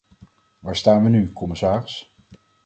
Waar staan we nu, commissaris?